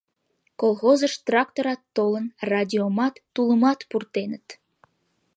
Колхозыш тракторат толын, радиомат, тулымат пуртеныт.